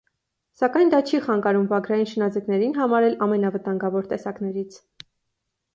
Սակայն դա չի խանգարում վագրային շնաձկներին համարել ամենավտանգավոր տեսակներից։